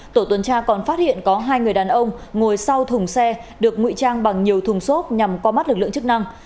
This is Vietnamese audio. tổ tuần tra còn phát hiện có hai người đàn ông ngồi sau thùng xe được nguy trang bằng nhiều thùng xốp nhằm qua mắt lực lượng chức năng